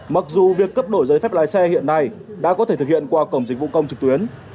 mặc dù việc cấp đổi giấy phép lái xe hiện nay đã có thể thực hiện qua cổng dịch vụ công trực tuyến